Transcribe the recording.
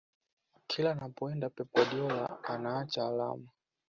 kila anapoenda pep guardiola anaacha alama